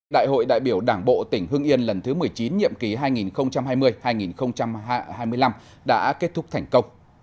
đại hội đại biểu đảng bộ tỉnh hưng yên lần thứ một mươi chín nhiệm ký hai nghìn hai mươi hai nghìn hai mươi năm đã kết thúc thành công